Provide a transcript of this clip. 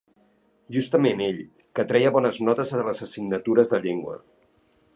Justament ell, que treia bones notes a les assignatures de llengua.